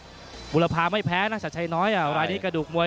อ้าโหมุลภาคาไม่แพ้นะชัดชัยน้อยอะไรอย่างนี้กระดูกมวย